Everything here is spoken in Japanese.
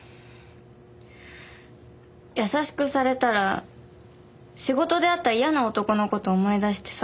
優しくされたら仕事で会った嫌な男の事思い出してさ。